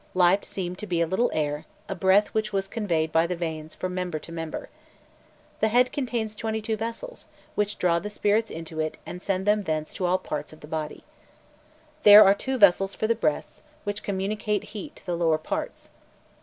Life seemed to be a little air, a breath which was conveyed by the veins from member to member. "The head contains twenty two vessels, which draw the spirits into it and send them thence to all parts of the body. There are two vessels for the breasts, which communicate heat to the lower parts.